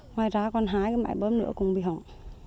ngoài ra con hái mẹ bớm nữa cũng bị hỏng